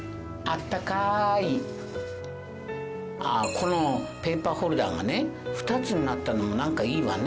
このペーパーホルダーがね２つになったのもなんかいいわね。